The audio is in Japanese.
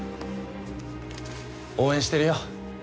応援してるよ。